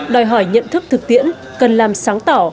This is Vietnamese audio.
đòi hỏi nhận thức thực tiễn cần làm sáng tỏ